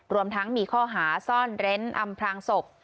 รวมทั้งมีข้อหาซ่อนเร้นอำพลางศพ